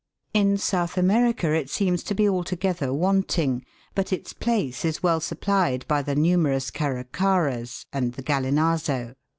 In South America it seems to be altogether wanting, but its place is well supplied by the numerous Caracaras and the Gallinazo.